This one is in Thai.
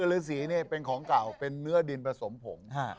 ฤษีเป็นของเก่าเป็นเนื้อดินผสมผง